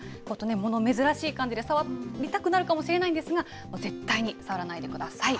物珍しい感じで、触りたくなるかもしれないんですが、絶対に触らないでください。